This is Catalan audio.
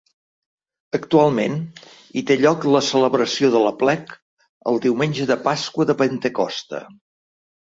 Actualment hi té lloc la celebració de l'aplec el diumenge de Pasqua de Pentecosta.